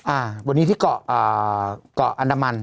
อ่าวันนี้ที่เกาะอันดามัน